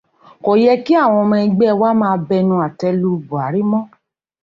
Kò yẹ kí àwọn ọmọ ẹgbẹ́ wa máa bẹnu àtẹ lu Bùhárí mọ́